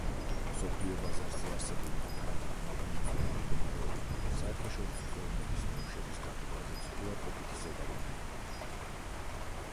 მსოფლიო ბაზარზე არსებულმა არამყარმა ფინანსურმა მდგომარეობამ, საერთაშორისო ხელოვნების ნიმუშების გაყიდვაზეც უარყოფითი ზეგავლენა იქონია.